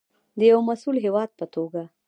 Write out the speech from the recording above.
د یو مسوول هیواد په توګه.